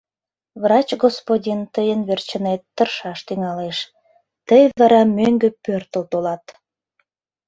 Врач господин тыйын верчынет тыршаш тӱҥалеш, тый вара мӧҥгӧ пӧртыл толат.